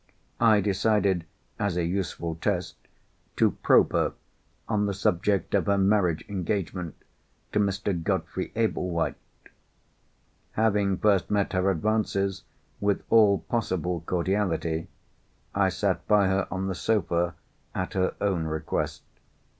I decided, as a useful test, to probe her on the subject of her marriage engagement to Mr. Godfrey Ablewhite. Having first met her advances with all possible cordiality, I sat by her on the sofa, at her own request.